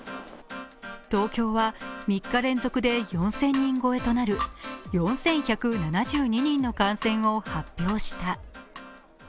東京は３日連続で４０００人超えとなる４１７２人の感染を発表した。